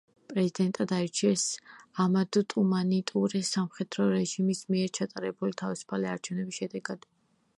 პრეზიდენტად აირჩიეს ამადუ ტუმანი ტურეს სამხედრო რეჟიმის მიერ ჩატარებული თავისუფალი არჩევნების შედეგად.